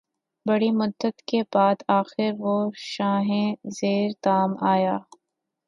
بڑی مدت کے بعد آخر وہ شاہیں زیر دام آیا